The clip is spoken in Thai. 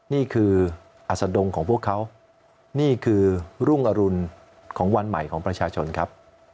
นี่คืออัศดงของพวกเขานี่คือรุ่งอรุณของวันใหม่ของประชาชนครับ